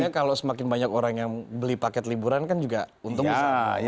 artinya kalau semakin banyak orang yang beli paket liburan kan juga untung besar